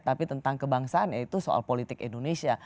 tapi tentang kebangsaan yaitu soal politik indonesia